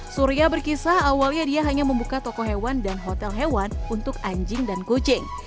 surya berkisah awalnya dia hanya membuka toko hewan dan hotel hewan untuk anjing dan kucing